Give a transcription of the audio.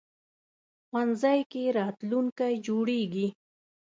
ښوونځی کې راتلونکی جوړېږي